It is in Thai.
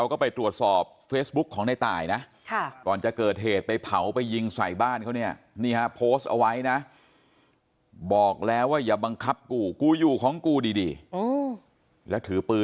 โอ้โหใครบังคับเขาคะ